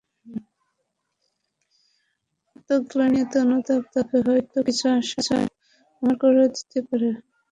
এত আত্মগ্লানি, এত অনুতাপ, তাকে হয়ত কিছু আশা আমরা দিতে পারবো।